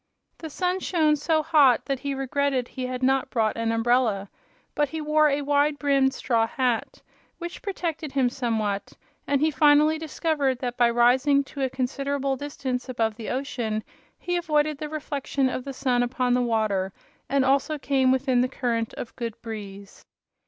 The sun shone so hot that he regretted he had not brought an umbrella. But he wore a wide brimmed straw hat, which protected him somewhat, and he finally discovered that by rising to a considerable distance above the ocean he avoided the reflection of the sun upon the water and also came with the current of good breeze.